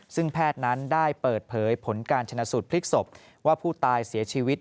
ซึ่งแพทย์นั้นได้เปิดเผยผลการชนะสูตรพลิกศพว่าผู้ตายเสียชีวิต